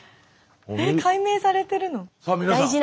えっ解明されてるの？